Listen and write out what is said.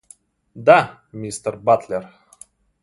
Да, мистер Батлер.